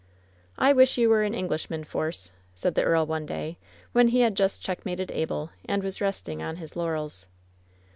"I wish you were an Englishman, Force," said the earl one day, when he had just checkmated Abel and was resting on his laurels.